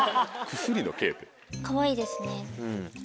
かわいいですね。